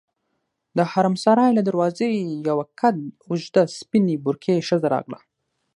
د حرم سرا له دروازې یوه قد اوږده سپینې برقعې ښځه راغله.